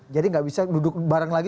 jadi gak bisa duduk bareng lagi